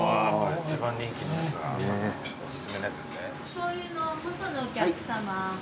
しょうゆの細のお客さま。